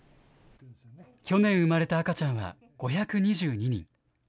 去年、産まれた赤ちゃんは５２２人。